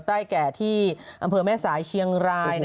แก่ที่อำเภอแม่สายเชียงราย